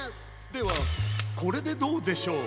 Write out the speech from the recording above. ではこれでどうでしょう？